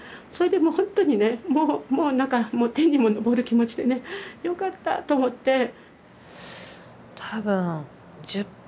それでもうほんとにねもう何か天にも昇る気持ちでねよかったと思って。